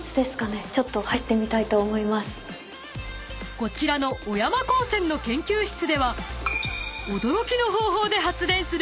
［こちらの小山高専の研究室では］